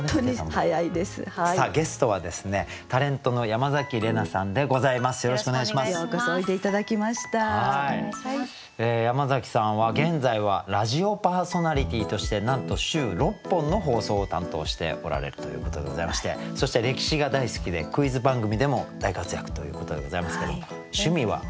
山崎さんは現在はラジオパーソナリティーとしてなんと週６本の放送を担当しておられるということでございましてそして歴史が大好きでクイズ番組でも大活躍ということでございますけども趣味は勉強？